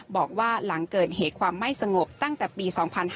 บอกว่าหลังเกิดเหตุความไม่สงบตั้งแต่ปี๒๕๕๙